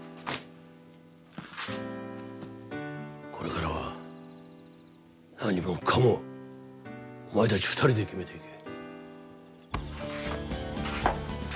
これからは何もかもお前たち２人で決めていけ。